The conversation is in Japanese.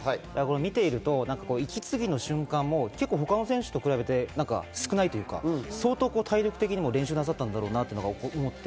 見ていると息継ぎの瞬間も他の選手と比べて少ないというか、そうとう体力的にも練習なさったんだろうなと思って。